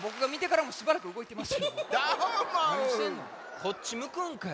こっちむくんかい？